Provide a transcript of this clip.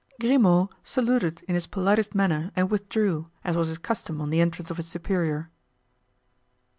Grimaud saluted in his politest manner and withdrew, as was his custom on the entrance of his superior.